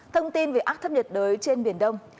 thông tin về áp thấp nhiệt đới trên biển đông